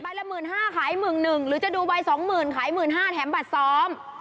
บาทละ๑๕๐๐๐บาทขาย๑๑๐๐๐บาทหรือจะดูบาท๒๐๐๐๐บาทขาย๑๕๐๐๐บาทแถมบัตรซ้อม